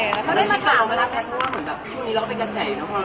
แล้วถ้าลงเวลาแพทย์ถ้าช่วงนี้ลองไปกันไหน